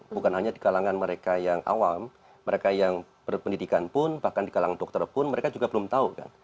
bukan hanya di kalangan mereka yang awam mereka yang berpendidikan pun bahkan di kalangan dokter pun mereka juga belum tahu kan